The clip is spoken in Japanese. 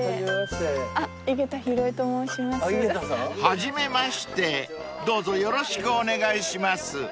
［初めましてどうぞよろしくお願いします］